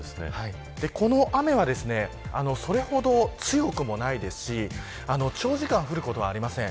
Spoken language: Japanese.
この雨はそれほど強くもないですし長時間降ることはありません。